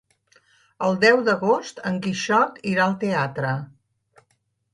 El deu d'agost en Quixot irà al teatre.